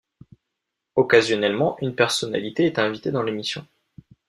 Occasionnellement, une personnalité est invitée dans l'émission.